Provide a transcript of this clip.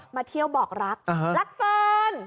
มาเที่ยวบอกรักรักเฟิร์น